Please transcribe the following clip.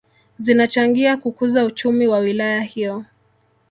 Zinachangia kukuza uchumi wa wilaya hiyo